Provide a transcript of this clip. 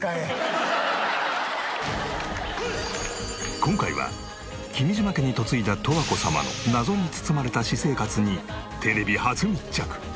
今回は君島家に嫁いだ十和子様の謎に包まれた私生活にテレビ初密着。